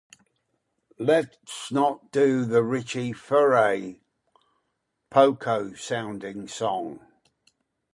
Let's not do a Richie Furay, Poco-sounding song.